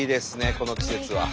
この季節は。